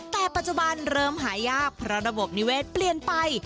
แต่ปัจจุบันเริ่มหายากเพราะระบบนิเวศเปลี่ยนไป